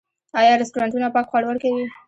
آیا رستورانتونه پاک خواړه ورکوي؟